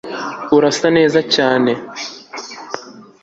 Urasa neza cyane